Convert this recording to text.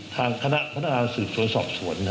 ทางคณะพนักงานสืบสวนสอบสวน